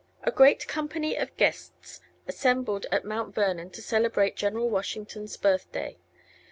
A grate Company of Guests assembled at Mt Vernon to celebrate Gen'l Washington's Birthdaye.